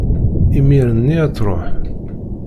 imir-nni ad-tṛuḥ.